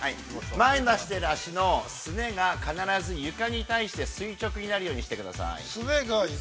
前に出している脚のすねが必ず床に対して、垂直になるようにしてください。